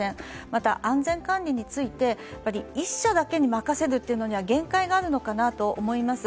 また、安全管理について、１社だけに任せるというのには限界があるのかなと思います。